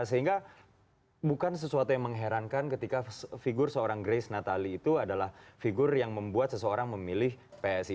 sehingga bukan sesuatu yang mengherankan ketika figur seorang grace natali itu adalah figur yang membuat seseorang memilih psi